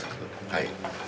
はい。